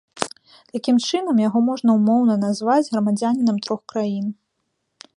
Такім чынам, яго можна ўмоўна назваць грамадзянінам трох краін.